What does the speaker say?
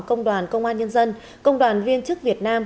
công đoàn công an nhân dân công đoàn viên chức việt nam